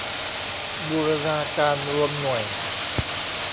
บูรณาการรวมหน่วย